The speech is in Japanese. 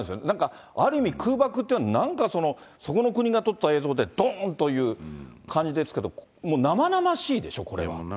なんかある意味、空爆って、なんかその、そこの国が撮った映像でどーんという感じですけど、なまなましいでしょ、これは。